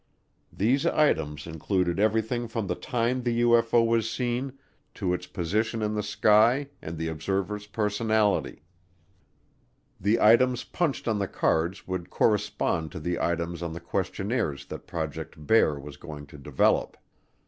These items included everything from the time the UFO was seen to its position in the sky and the observer's personality. The items punched on the cards would correspond to the items on the questionnaires that Project Bear was going to develop.